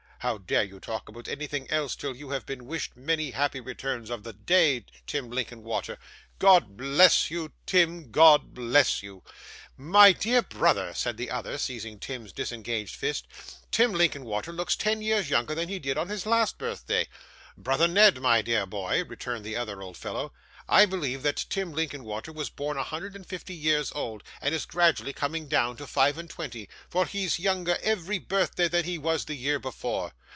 How dare you talk about anything else till you have been wished many happy returns of the day, Tim Linkinwater? God bless you, Tim! God bless you!' 'My dear brother,' said the other, seizing Tim's disengaged fist, 'Tim Linkinwater looks ten years younger than he did on his last birthday.' 'Brother Ned, my dear boy,' returned the other old fellow, 'I believe that Tim Linkinwater was born a hundred and fifty years old, and is gradually coming down to five and twenty; for he's younger every birthday than he was the year before.